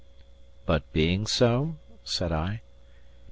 "But being so?" said I.